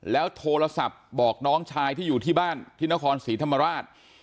แล้วโทรศัพท์บอกน้องชายที่อยู่ที่บ้านที่นครศรีธรรมราช